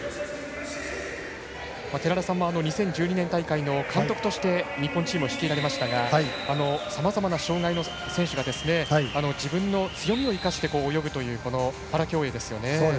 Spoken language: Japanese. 寺田さんも、２０１２年大会の監督として日本チームを率いられましたがさまざまな障がいの選手が自分の強みを生かして泳ぐというパラ競泳ですよね。